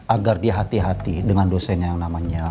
agar dia hati hati dengan dosen yang namanya